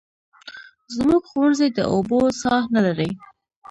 زموږ ښوونځی د اوبو څاه نلري